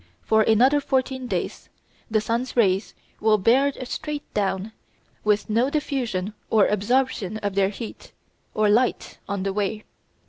For another fourteen days the sun's rays will bear straight down, with no diffusion or absorption of their heat, or light, on the way.